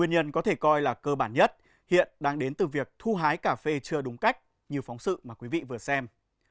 đây là cơ bản nhất hiện đang đến từ việc thu hái cà phê chưa đúng cách như phóng sự mà quý vị vừa xem